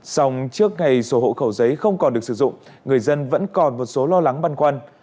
xong trước ngày sổ hộ khẩu giấy không còn được sử dụng người dân vẫn còn một số lo lắng băn khoăn